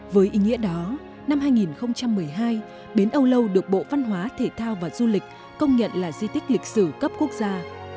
với ý nghĩa đó năm hai nghìn một mươi hai bến âu lâu được bộ văn hóa thể thao và du lịch công nhận là di tích lịch sử cấp quốc gia